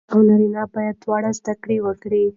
ښځې او نارینه دواړه باید زدهکړه وکړي.